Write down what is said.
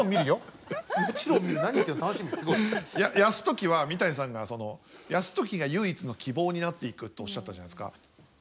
泰時は三谷さんが泰時が唯一の希望になっていくとおっしゃったじゃないですか。